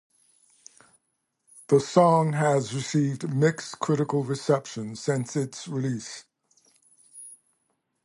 The song has received mixed critical reception since its release.